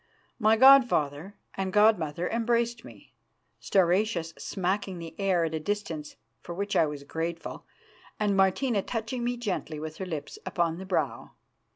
My god father and god mother embraced me, Stauracius smacking the air at a distance, for which I was grateful, and Martina touching me gently with her lips upon the brow.